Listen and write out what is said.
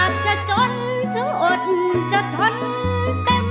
สู้ไว้